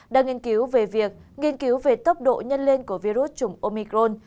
đang nghiên cứu về việc nghiên cứu về tốc độ nhân lên của virus chủng omicron